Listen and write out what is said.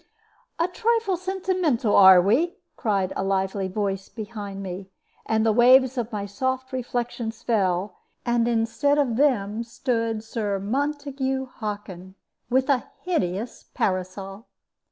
"A trifle sentimental, are we?" cried a lively voice behind me, and the waves of my soft reflections fell, and instead of them stood Sir Montague Hockin, with a hideous parasol.